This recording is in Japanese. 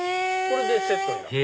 これでセットになる。